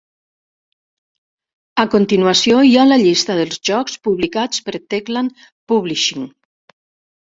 A continuació hi ha la llista dels jocs publicats per Techland Publishing.